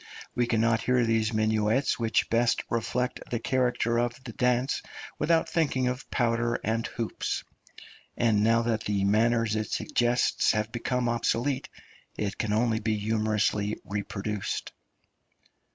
We cannot hear those minuets which best reflect the character of the dance without thinking of powder and hoops; and now that the manners it suggests have become obsolete, it can only be humorously reproduced.